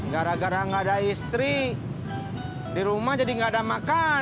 gara gara enggak ada istri di rumah jadi enggak ada makanan